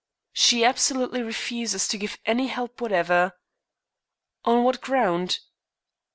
"She absolutely refuses to give any help, whatever." "On what ground?"